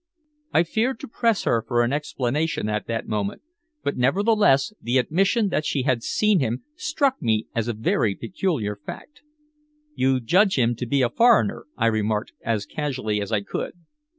I feared to press her for an explanation at that moment, but, nevertheless, the admission that she had seen him struck me as a very peculiar fact. "You judge him to be a foreigner?" I remarked as casually as I could.